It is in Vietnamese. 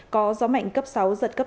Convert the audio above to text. có gió mạnh cấp sáu giật cấp tám